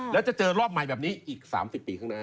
แล้วจะเจอรอบใหม่แบบนี้อีก๓๐ปีข้างหน้า